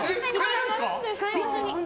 実際に。